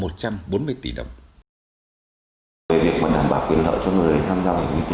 về việc đảm bảo quyền lợi cho người tham gia bảo hiểm y tế